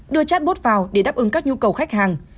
đưa chatbot vào để đáp ứng các nhu cầu khách hàng